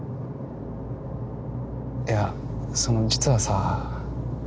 いやその実はさ